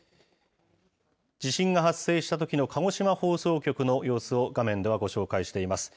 地震が発生したときの鹿児島放送局の様子を画面ではご紹介しています。